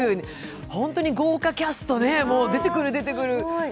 本当に豪華キャスト、出てくる出てくる方